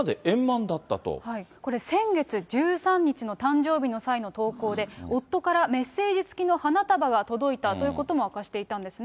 これ、先月１３日の誕生日の際の投稿で、夫からメッセージ付きの花束が届いたということも明かしていたんですね。